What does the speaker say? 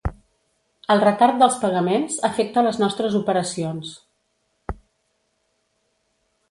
El retard dels pagaments afecta les nostres operacions.